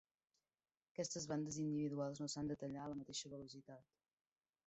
Aquestes bandes individuals no s'han de tallar a la mateixa velocitat.